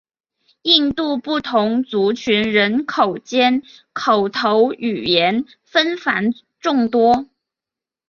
印度不同族群人口间口头语言纷繁众多。